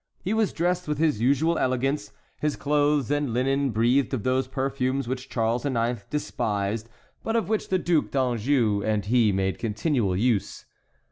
He was dressed with his usual elegance. His clothes and linen breathed of those perfumes which Charles IX. despised, but of which the Duc d'Anjou and he made continual use.